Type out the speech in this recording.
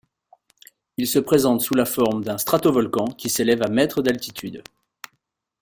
Il se présente sous la forme d'un stratovolcan qui s'élève à mètres d'altitude.